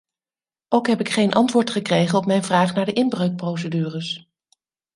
Ook heb ik geen antwoord gekregen op mijn vraag naar de inbreukprocedures.